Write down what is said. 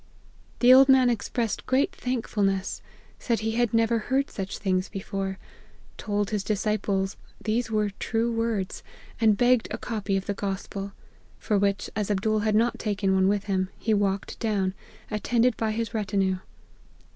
" The old man expressed great thankfulness ? said he had never heard such things before ; told his disciples these were true words, and begged a copy of the Gospel : for which, as Abdool had not taken one with him, he walked down, attended by his retinue.